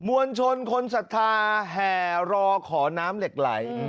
วลชนคนศรัทธาแห่รอขอน้ำเหล็กไหล